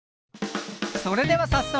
それでは早速。